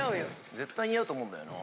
・絶対似合うと思うんだよな・